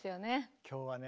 今日はね